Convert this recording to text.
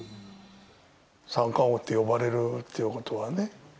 三冠王って呼ばれるっていうことはね。